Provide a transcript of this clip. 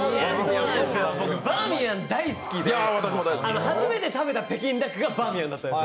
僕、バーミヤン大好きで、初めて食べた北京ダックがバーミヤンで。